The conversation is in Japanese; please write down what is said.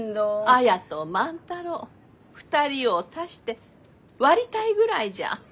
綾と万太郎２人を足して割りたいぐらいじゃ。